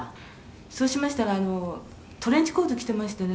「そうしましたらあのトレンチコート着てましてね